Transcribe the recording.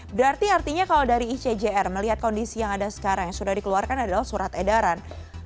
berarti artinya kalau dari icjr melihat kondisi yang ada sekarang yang sudah dikeluarkan adalah surat edaran